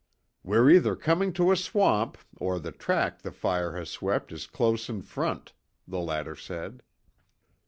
"We're either coming to a swamp, or the track the fire has swept is close in front," the latter said.